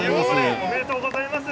おめでとうございます。